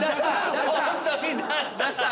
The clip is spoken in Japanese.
出した！